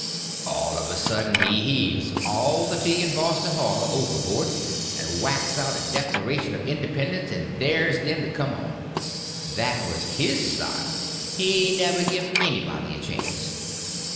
All of a sudden he heaves all the tea in Boston Harbor overboard, and whacks out a declaration of independence, and dares them to come on. That was his style—he never give anybody a chance.